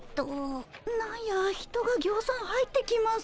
何や人がぎょうさん入ってきますなあ。